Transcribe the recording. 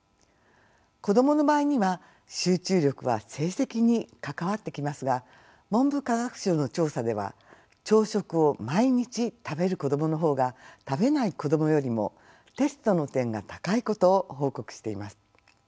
子供の場合には集中力は成績に関わってきますが文部科学省の調査では朝食を毎日食べる子供のほうが食べない子供よりもテストの点が高いことを報告しています。